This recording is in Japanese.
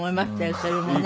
それもね。